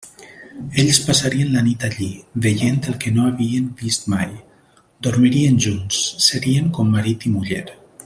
Ells passarien la nit allí, veient el que no havien vist mai; dormirien junts: serien com marit i muller.